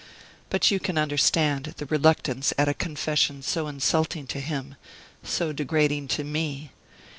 But you can understand the reluctance at a confession so insulting to him, so degrading to me.